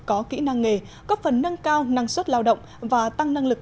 có kỹ năng nghề góp phần nâng cao năng suất lao động và tăng năng lực